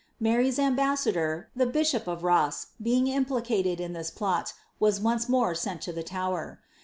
Mary's ambassador, the bishop of Ross, being implicated in this plot, was once more Een( to the Tower.